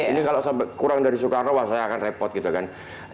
ini kalau sampai kurang dari soekarno wah saya akan repot gitu kan